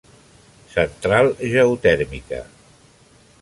Central Geotèrmica.